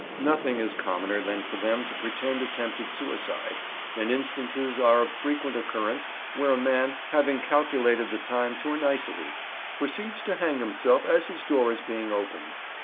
Nothing is commoner than for them to pretend attempted suicide; and instances are of frequent occurrence where a man, having calculated the time to a nicety, proceeds to hang himself as his door is being opened.